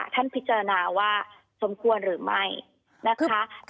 ท่านพิจารณาว่าสมควรหรือไม่นะคะ